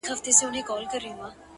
و تاسو ته يې سپين مخ لارښوونکی. د ژوند.